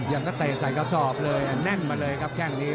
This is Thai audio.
ยังก็เตะใส่กระสอบเลยแน่นมาเลยครับแค่งนี้